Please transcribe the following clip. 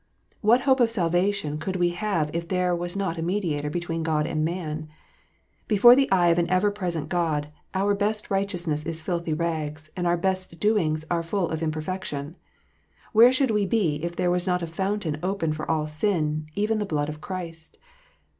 What hope of salvation could we have if there was not a Mediator between God and man ? Before the eye of an ever present God, our best righteousness is filthy rags, and our best doings are full of imperfection. Where should we be if there was not a Fountain open for all sin, even the blood of Christ